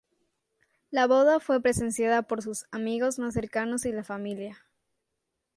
La boda fue presenciada por sus amigos más cercanos y la familia.